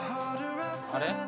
あれ？